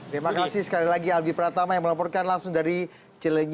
terima kasih sekali lagi albi pratama yang melaporkan langsung dari cilenyi